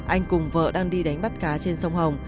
anh cùng vợ đang đi đánh bắt cá trên sông hồng